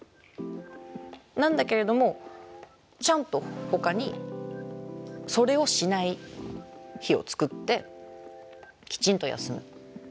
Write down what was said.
なんだけれどもちゃんとほかにそれをしない日を作ってきちんと休む。